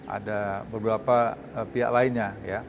ada beberapa pihak lainnya